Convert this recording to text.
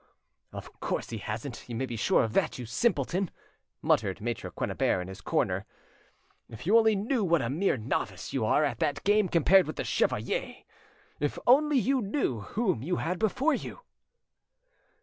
"Of course he hasn't, you may be sure of that, you simpleton!" muttered Maitre Quennebert in his corner. "If you only knew what a mere novice you are at that game compared with the chevalier! If you only knew whom you had before you!"